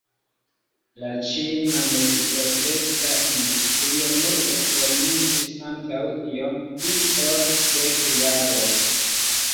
La ĉina mediprotekta industrio nur ekformiĝis antaŭ iom pli ol dek jaroj.